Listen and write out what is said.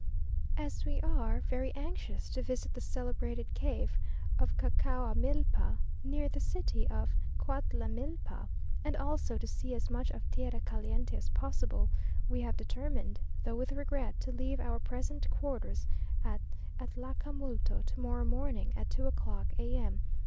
As we are very anxious to visit the celebrated cave of Cacauamilpa, near the city of Cautlamilpa, and also to see as much of tierra caliente as possible, we have determined, though with regret, to leave our present quarters at Atlacamulto to morrow morning, at two o'clock A.M.